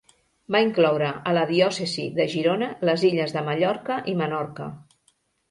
Va incloure a la diòcesi de Girona les illes de Mallorca i Menorca.